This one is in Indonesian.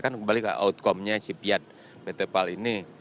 kan kembali ke outcome nya si piat pt pal ini